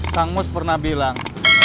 kang mus pernah bilang